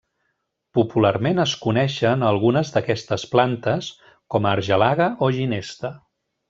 Popularment es coneixen a algunes d'aquestes plantes com a argelaga o ginesta.